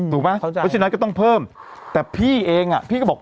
เพราะฉะนั้นก็ต้องเพิ่มแต่พี่เองอ่ะพี่ก็บอก